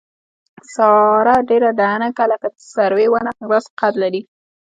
ساره ډېره دنګه لکه د سروې ونه داسې قد لري.